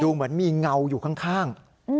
เหมือนมีเงาอยู่ข้าง